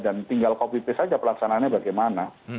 dan tinggal copy paste aja pelaksanaannya bagaimana